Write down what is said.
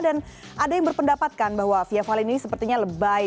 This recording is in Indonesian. dan ada yang berpendapatkan bahwa viavalin ini sepertinya lebay